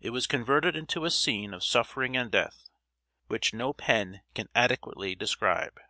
It was converted into a scene of suffering and death which no pen can adequately describe.